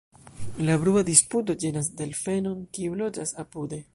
La brua disputo ĝenas delfenon kiu loĝas apude.